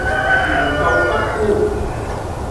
吾道不孤